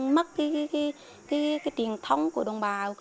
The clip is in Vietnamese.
mất cái truyền thống của đồng bào